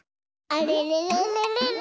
あれれれれれれ？